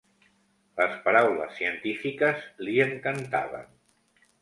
Les paraules científiques li encantaven.